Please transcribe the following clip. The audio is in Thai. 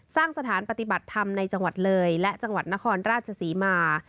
สร้างสถานปฏิบัติธรรมในจังหวัดเลยและจังหวัดนครราชศรีมา